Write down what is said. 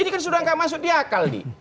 ini kan sudah tidak masuk di akal nih